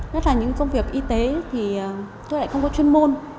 nhất là những công việc y tế thì tôi lại không có chuyên môn